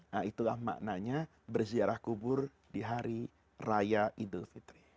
nah itulah maknanya berziarah kubur di hari raya idul fitri